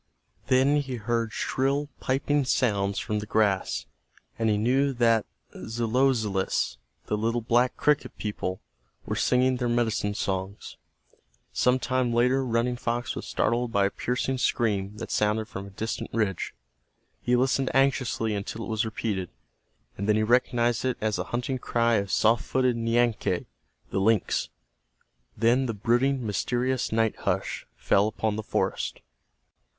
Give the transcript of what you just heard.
Then he heard shrill piping sounds from the grass, and he knew that the Zelozelous, the little black cricket people, were singing their medicine songs. Some time later Running Fox was startled by a piercing scream that sounded from a distant ridge. He listened anxiously until it was repeated, and then he recognized it as the hunting cry of soft footed Nianque, the lynx. Then the brooding, mysterious night hush fell upon the forest.